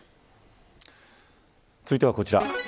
続いてはこちら。